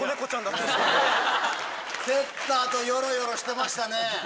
⁉蹴った後ヨロヨロしてましたね。